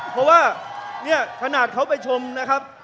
เพราะว่าเนี่ยขนาดเขาไปชมนะครับ